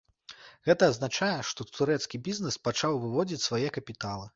Гэта азначае, што турэцкі бізнэс пачаў выводзіць свае капіталы.